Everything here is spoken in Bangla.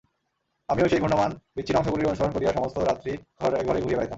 আমিও সেই ঘূর্ণ্যমান বিচ্ছিন্ন অংশগুলির অনুসরণ করিয়া সমস্ত রাত্রি ঘরে ঘরে ঘুরিয়া বেড়াইতাম।